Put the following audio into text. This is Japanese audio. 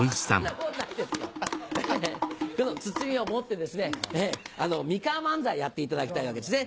この鼓を持ってですね三河万歳やっていただきたいわけですね。